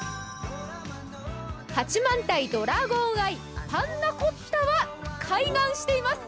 八幡平ドラゴンアイパンナコッタは開眼しています。